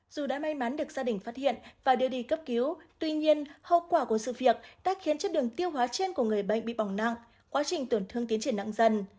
dù đã may mắn được gia đình phát hiện và đưa đi cấp cứu tuy nhiên hậu quả của sự việc đã khiến chất đường tiêu hóa trên của người bệnh bị bỏng nặng quá trình tổn thương tiến triển nặng dần